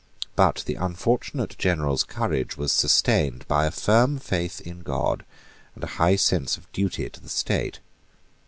But the unfortunate general's courage was sustained by a firm faith in God, and a high sense of duty to the state.